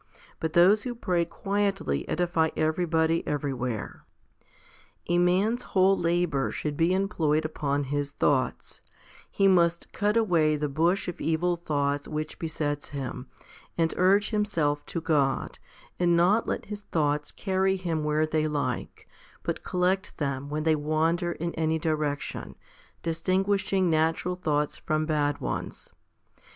But those who pray quietly edify everybody everywhere. A man's whole labour should be employed upon his thoughts ; he must cut away the bush of evil thoughts which besets him, and urge him self to God, and not let his thoughts carry him where they like, but collect them when they wander in any direction, distinguishing natural thoughts from bad ones.